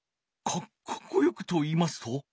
かっこよくといいますと？